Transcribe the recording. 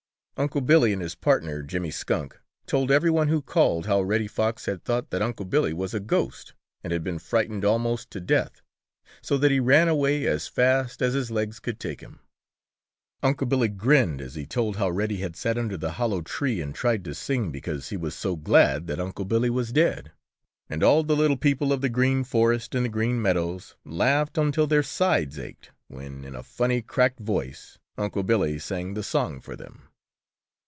Unc' Billy and his partner, Jimmy Skunk, told every one who called how Reddy Fox had thought that Unc' Billy was a ghost and had been frightened almost to death, so that he ran away as fast as his legs could take him. Unc' Billy grinned as he told how Reddy had sat under the hollow tree and tried to sing because he was so glad that Unc' Billy was dead, and all the little people of the Green Forest and the Green Meadows laughed until their sides ached when in a funny, cracked voice Unc' Billy sang the song for them.